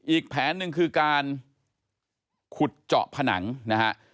อีกแผนหนึ่งคือการขุดเจาะผนังนะฮะ